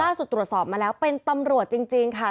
ตรวจสอบมาแล้วเป็นตำรวจจริงค่ะ